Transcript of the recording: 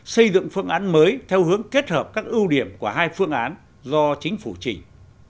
xây dựng phương án mới theo hướng kết hợp các ưu điểm của hai phương án do chính phủ chỉnh